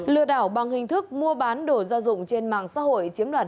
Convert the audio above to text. lừa đảo bằng hình thức mua bán đồ gia dụng trên mạng xã hội chiếm đoạt